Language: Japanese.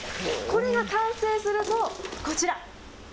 これが完成すると、こちら。